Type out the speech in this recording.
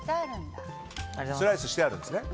スライスしてあるんだ。